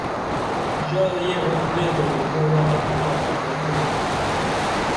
ژا یہ غم لے درو مُوہ ہڈو تاں نظر نی درو